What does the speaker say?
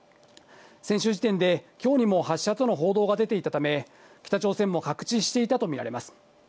先週時点で、きょうにも発射との報道が出ていたため、北朝鮮も覚知していたと見られます。